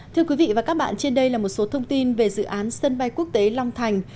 thưa quý vị và các bạn trên đây là một số thông tin về dự án sân bay quốc tế long thành